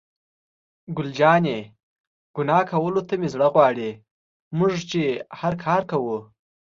ګل جانې: ګناه کولو ته مې زړه غواړي، موږ چې هر کار کوو.